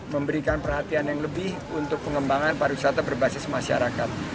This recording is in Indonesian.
memberikan perhatian yang lebih untuk pengembangan pariwisata berbasis masyarakat